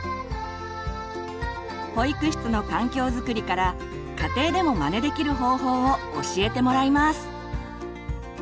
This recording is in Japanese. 保育室の環境づくりから家庭でもまねできる方法を教えてもらいます。